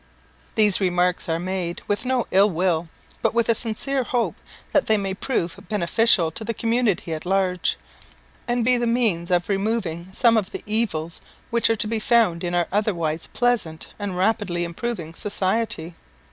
These remarks are made with no ill will, but with a sincere hope that they may prove beneficial to the community at large, and be the means of removing some of the evils which are to be found in our otherwise pleasant and rapidly improving society.